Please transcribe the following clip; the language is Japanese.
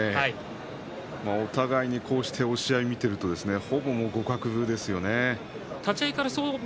お互いにこういう押し合いを見ているとほぼ互角ですね。